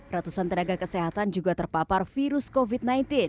ratusan tenaga kesehatan juga terpapar virus covid sembilan belas